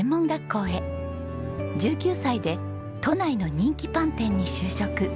１９歳で都内の人気パン店に就職。